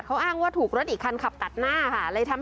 เราก็เลยพูดคุยกับนางนิตินันบุญประพาย